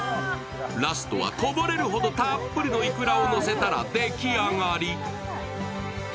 ラストはこぼれるほどのたっぷりのいくらをのせたら出来上がり。